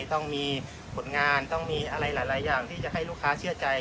ต้องมีผลงานต้องมีอะไรหลายอย่างที่จะให้ลูกค้าเชื่อใจ